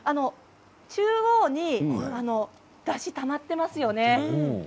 中央に、だしがたまってますよね。